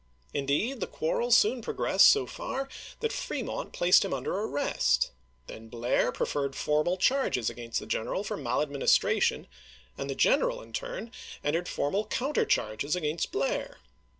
Indeed, the quarrel soon progressed so far that Fremont placed him under arrest ; then Blair preferred formal charges against the gen eral for maladministration, and the general in 414 ABKAHAM LINCOLN ch. XXIII. turn entered formal counter charges against Blair.